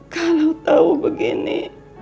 kalau tahu begini